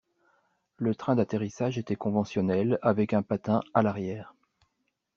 Le train d'atterrissage était conventionnel avec un patin à l'arrière.